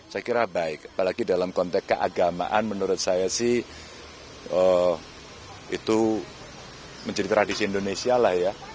saya kira baik apalagi dalam konteks keagamaan menurut saya sih itu menjadi tradisi indonesia lah ya